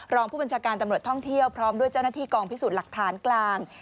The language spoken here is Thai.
รองผู้บัญชาการตำรวจท่องเที่ยวพร้อมด้วยเจ้าหน้าที่กองพิสูจน์หลักฐานกลาง